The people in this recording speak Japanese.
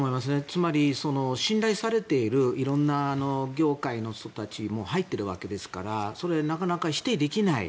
つまり、信頼されている色んな業界の人たちも入っているわけですからなかなか否定できない。